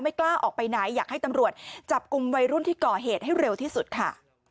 กล้าออกไปไหนอยากให้ตำรวจจับกลุ่มวัยรุ่นที่ก่อเหตุให้เร็วที่สุดค่ะ